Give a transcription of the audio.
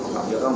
trong vô thông